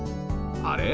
あれ？